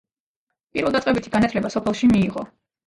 პირველდაწყებითი განათლება სოფელში მიიღო.